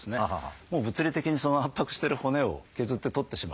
物理的に圧迫してる骨を削って取ってしまう。